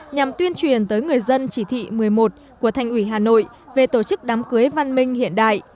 nhằm tuyên truyền tới người dân chỉ thị một mươi một của thành ủy hà nội về tổ chức đám cưới văn minh hiện đại